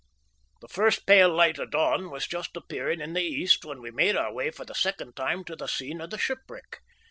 The first pale light of dawn was just appearing in the east when we made our way for the second time to the scene of the shipwreck.